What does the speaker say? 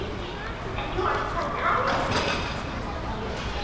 "And you're a psychiatrist!"